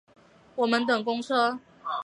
我们等公车